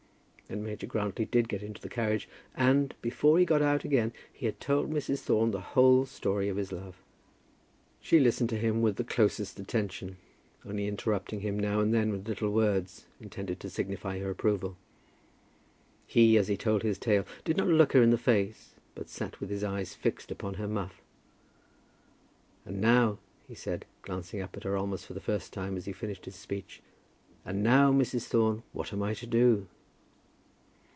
Then Major Grantly did get into the carriage, and, before he got out again, he had told Mrs. Thorne the whole story of his love. She listened to him with the closest attention; only interrupting him now and then with little words, intended to signify her approval. He, as he told his tale, did not look her in the face, but sat with his eyes fixed upon her muff. "And now," he said, glancing up at her almost for the first time as he finished his speech, "and now, Mrs. Thorne, what am I to do?"